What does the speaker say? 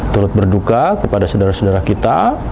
turut berduka kepada saudara saudara kita